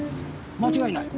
間違いない。